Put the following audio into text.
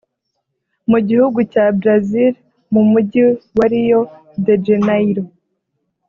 mu gihugu cya Brazil mu mujyi wa Rio de Janeiro